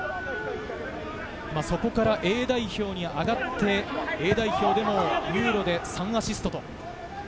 そこからＡ代表に上がってＡ代表でもユーロで３アシスト。